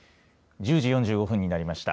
１０時４５分になりました。